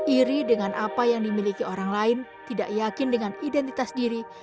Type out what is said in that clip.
iri dengan apa yang dimiliki orang lain tidak yakin dengan identitas diri